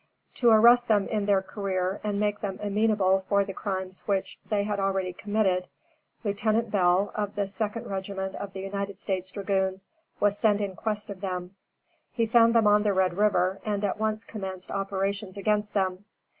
To arrest them in their career and make them amenable for the crimes they had already committed, Lieutenant Bell, of the 2d Regiment of United States dragoons, was sent in quest of them. He found them on the Red River, and at once commenced operations against them.